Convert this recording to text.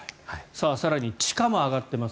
更に地価も上がっています